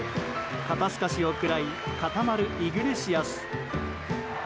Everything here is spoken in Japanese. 肩透かしを食らい固まるイグレシアス。